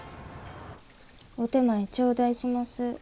お点前頂戴します。